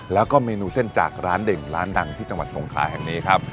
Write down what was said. แล้วก็เมนูเส้นจากร้านเด่งร้านดังที่จังหวัดสงคราศอีกครั้งหนึ่งครับ